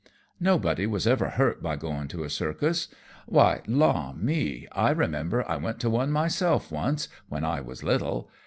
"Nobody was ever hurt by goin' to a circus. Why, law me! I remember I went to one myself once, when I was little.